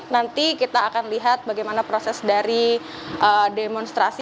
nanti kita akan lihat bagaimana proses dari demonstrasi